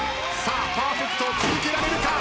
パーフェクト続けられるか？